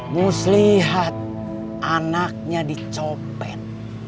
muslihat anaknya dicopet